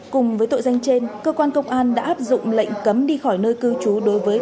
cùng với tội danh trên cơ quan công an đã áp dụng lệnh cấm đi khỏi nơi cư trú đối với